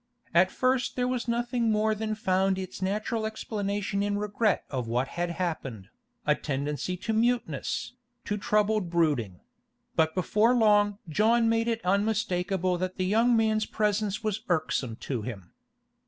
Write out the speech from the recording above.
At first there was nothing more than found its natural explanation in regret of what had happened, a tendency to muteness, to troubled brooding; but before long John made it unmistakable that the young man's presence was irksome to him.